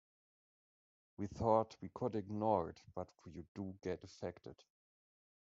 We thought we could ignore it but you do get affected.